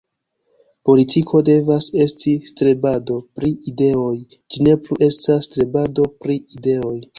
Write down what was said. Politiko devas esti strebado pri ideoj; ĝi ne plu estas strebado pri ideoj.